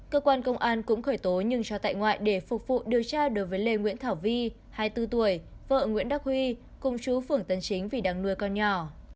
cơ quan công an cũng khởi tố nhưng cho tại ngoại để phục vụ điều tra đối với lê nguyễn thảo vi hai mươi bốn tuổi vợ nguyễn đắc huy công chú phưởng tấn chính vì đang nuôi con nhỏ